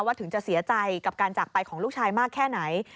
ถึงจะเสียใจกับการจากไปของลูกชายมากแค่ไหน